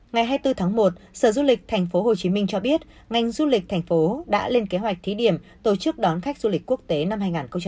ngày hai mươi bốn tháng một sở du lịch tp hcm cho biết ngành du lịch thành phố đã lên kế hoạch thí điểm tổ chức đón khách du lịch quốc tế năm hai nghìn hai mươi